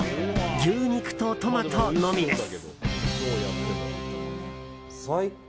牛肉とトマトのみです。